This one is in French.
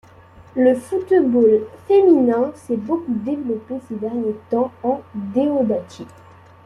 Le football féminin s'est beaucoup développé ces derniers temps en déodatie.